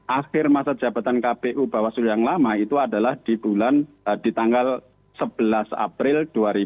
akhir masa jabatan kpu bawaslu yang lama itu adalah di tanggal sebelas april dua ribu dua puluh